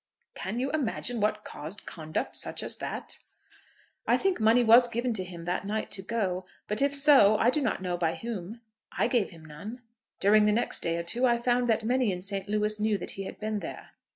"Can you imagine what caused conduct such as that?" "I think money was given to him that night to go; but if so, I do not know by whom. I gave him none. During the next day or two I found that many in St. Louis knew that he had been there."